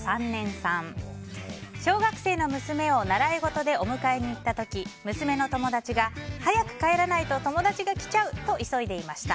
小学生の娘を習い事でお迎えに行った時娘の友達が早く帰らないと友達が来ちゃうと急いでいました。